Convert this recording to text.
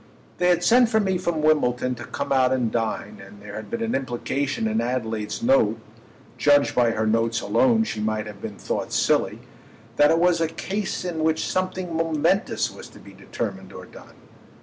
They had sent for me from Wimbledon to come out and dine, and there had been an implication in Adelaide's note—judged by her notes alone she might have been thought silly—that it was a case in which something momentous was to be determined or done.